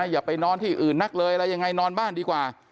อย่าไปนอนที่อื่นนักเลยอะไรยังไงนอนบ้านดีกว่า